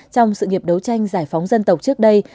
trong sự nghiệp đấu tranh giải phóng dân tộc trước đây